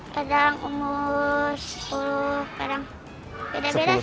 kadang umur sepuluh kadang beda beda